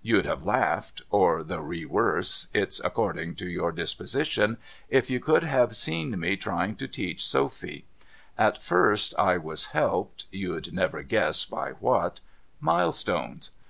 You'd have laughed — or the rewerse — it's according to your disposition — if you could have seen me trying to teach Sophy. At first I was helped — you'd never guess by what— milestones.